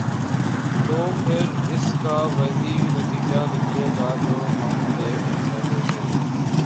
تو پھر اس کا وہی نتیجہ نکلے گا جو ہم دیکھ رہے ہیں۔